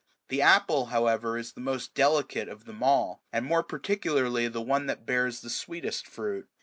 The apple, however, is the most delicate of them all, and more particularly the one that bears the sweetest fruit.